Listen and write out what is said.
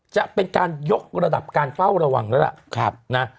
จะเป็นการยกระดับการเฝ้าระวังแล้วล่ะ